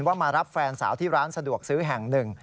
มารับแฟนสาวที่ร้านสะดวกซื้อแห่งหนึ่ง